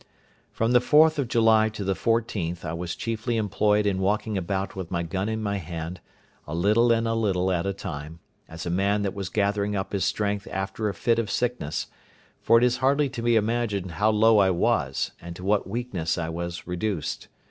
From the 4th of July to the 14th I was chiefly employed in walking about with my gun in my hand, a little and a little at a time, as a man that was gathering up his strength after a fit of sickness; for it is hardly to be imagined how low I was, and to what weakness I was reduced.